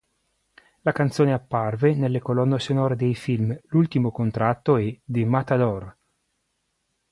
La canzone apparve nelle colonne sonore dei film "L'ultimo contratto" e "The Matador".